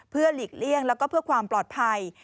เพื่อหลีกเลี่ยงแล้วก็เพื่อความปลอดภัย